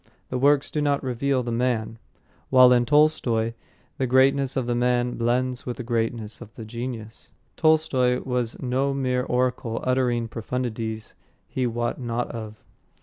The works do not reveal the man; while in Tolstoy the greatness of the man blends with the greatness of the genius. Tolstoy was no mere oracle uttering profundities he wot not of.